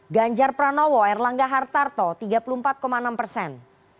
ganjar pranowo erlangga hartarto tiga puluh empat enam persen